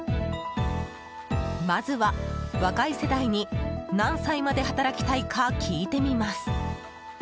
まずは若い世代に何歳まで働きたいか聞いてみます。